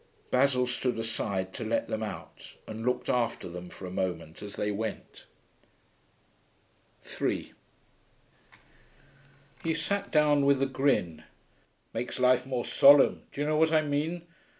Basil stood aside to let them out, and looked after them for a moment as they went. 3 He sat down with a grin. 'Makes life more solemn do you know what I mean?...